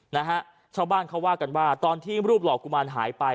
นะฮะชาวบ้านเขาว่ากันว่าตอนที่รูปหล่อกุมารหายไป